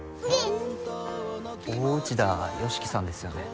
大内田佳基さんですよね？